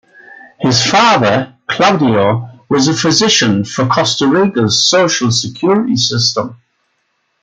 His father, Claudio, was a physician for Costa Rica's social security system.